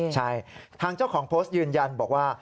ใช่ทางเจ้าของโพสต์ยืนยันบอกว่า